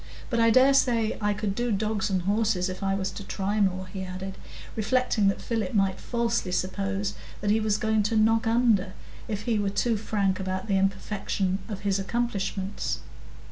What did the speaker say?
But I dare say I could do dogs and horses if I was to try more," he added, reflecting that Philip might falsely suppose that he was going to "knock under," if he were too frank about the imperfection of his accomplishments.